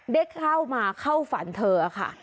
ได้เข้ามาเข้าฝันเธอค่ะ